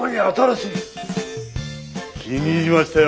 気に入りましたよ